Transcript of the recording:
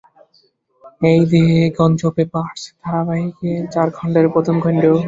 এটি "the Gonzo Papers" ধারাবাহিকের চার খণ্ডের প্রথম খণ্ড।